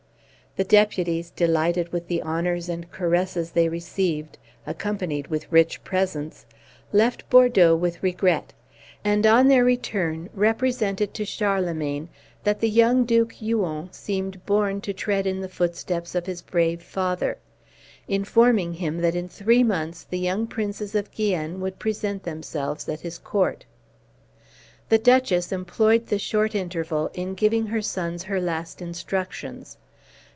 The deputies, delighted with the honors and caresses they received, accompanied with rich presents, left Bordeaux with regret and on their return represented to Charlemagne that the young Duke Huon seemed born to tread in the footsteps of his brave father, informing him that in three months the young princes of Guienne would present themselves at his court. The Duchess employed the short interval in giving her sons her last instructions.